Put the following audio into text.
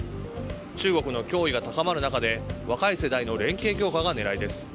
中国の脅威が高まる中で若い世代の連携強化が狙いです。